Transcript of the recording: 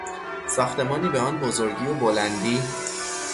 ساختمانی به آن بزرگی و بلندی